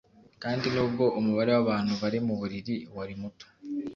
kandi nubwo umubare wabantu bari muburiri wari muto